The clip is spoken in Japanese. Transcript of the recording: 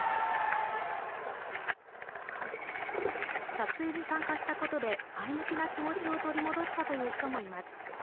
撮影に参加したことで前向きな気持ちを取り戻したという人もいます。